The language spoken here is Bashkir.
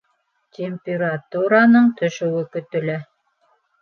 Температураның төшөүе көтөлә